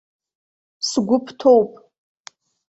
Сгәы бҭоуп.